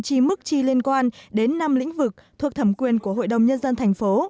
chi mức chi liên quan đến năm lĩnh vực thuộc thẩm quyền của hội đồng nhân dân tp